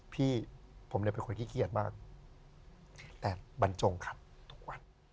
พี่ผมเนี่ยเป็นคนขี้เครียดมากแต่บรรจงขัดทุกวัน